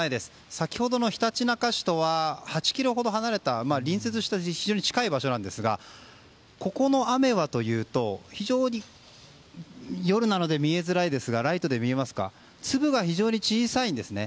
先ほどのひたちなか市とは８ｋｍ離れた隣接した非常に近い場所なんですがここの雨はというと夜なので見えづらいですが粒が非常に小さいんですね。